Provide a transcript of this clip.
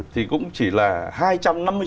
thì cũng không được phạt hành chính